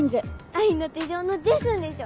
『愛の手錠』のジェソンでしょ。